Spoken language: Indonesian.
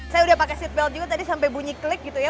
saya udah pakai seatbelt juga tadi sampai bunyi klik gitu ya